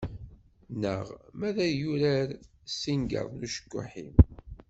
Neɣ ma ad yurar s tingaḍ n ucekkuḥ-im.